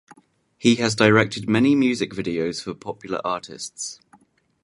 He has directed many music videos for popular artists.